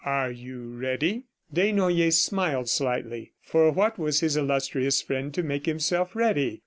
"Are you ready?" Desnoyers smiled slightly. For what was his illustrious friend to make himself ready?